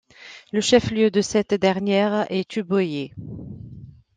Le chef-lieu de cette dernière est Tubuai.